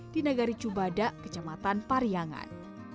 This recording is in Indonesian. di nagari cubada kecamatan pariangan